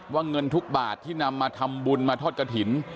เงินทุกบาทที่นำมาทำบุญมาทอดกระถิ่น